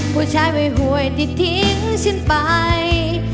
ผู้ชายไม่หวยที่ทิ้งฉันไป